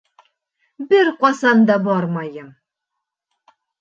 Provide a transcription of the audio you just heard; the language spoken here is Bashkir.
— Бер ҡасан да бармайым.